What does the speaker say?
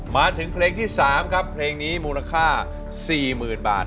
มาถึงเพลงที่สามครับเพลงนี้มูลค่าสี่หมื่นบาท